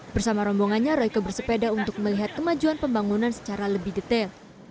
bersama rombongannya royke bersepeda untuk melihat kemajuan pembangunan secara lebih detail